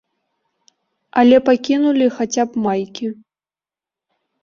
Але пакінулі хаця б майкі.